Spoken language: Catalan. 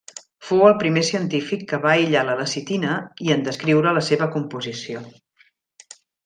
Fou el primer científic que va aïllar la lecitina i en descriure la seva composició.